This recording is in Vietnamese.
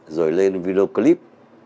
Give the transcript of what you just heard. rồi lên video clip